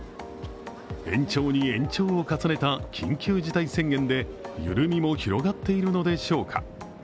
延長に延長を重ねて緊急事態宣言で緩みも広がっているのでしょうか。